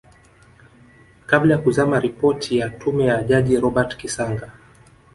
kabla ya kuzama Ripoti ya Tume ya Jaji Robert Kisanga